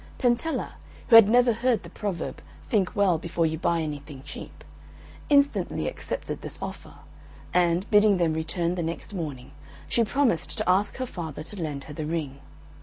Pentella, who had never heard the proverb, "Think well before you buy anything cheap," instantly accepted this offer, and, bidding them return the next morning, she promised to ask her father to lend her the ring.